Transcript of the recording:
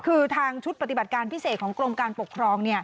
คือทางชุดปฏิบัติการพิเศษของกรมการปกครอง